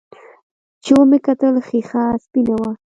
چې ومې کتل ښيښه سپينه وه.